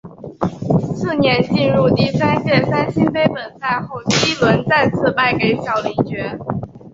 次年进入第三届三星杯本赛后第一轮再次败给小林觉。